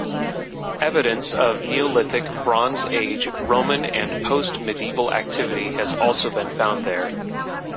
Evidence of Neolithic, Bronze Age, Roman and post-medieval activity has also been found there.